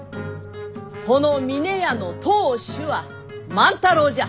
この峰屋の当主は万太郎じゃ。